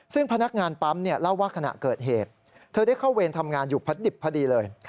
ซึ่งพนักงานปั๊มเล่าว่าขณะเกิดเหตุเธอได้เข้าเวรทำงานอยู่พระดิบพอดีเลย